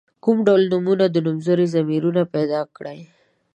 کوم ډول نومونه دي نومځري ضمیرونه پیداکړي.